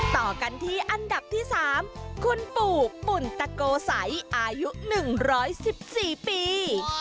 ต่อกันที่อันดับที่๓คุณปู่ปุ่นตะโกสัยอายุ๑๑๔ปี